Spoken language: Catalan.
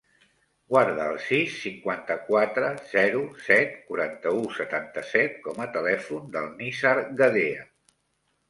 Guarda el sis, cinquanta-quatre, zero, set, quaranta-u, setanta-set com a telèfon del Nizar Gadea.